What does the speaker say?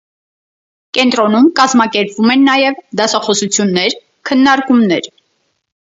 Կենտրոնում կազմակերպվում են նաև դասախոսություններ, քննարկումներ։